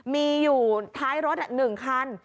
มีอยู่ท้ายรถ๑คัน